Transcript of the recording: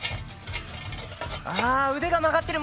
あ腕が曲がってる！